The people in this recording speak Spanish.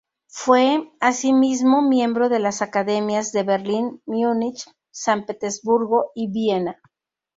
Fue, asimismo, miembro de las academias de Berlín, Múnich, San Petersburgo y Viena.